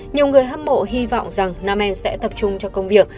nhiều người hâm mộ hy vọng rằng nam em sẽ tập trung cho công việc